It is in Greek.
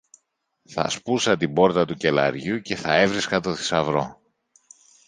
θα σπούσα την πόρτα του κελαριού και θα έβρισκα το θησαυρό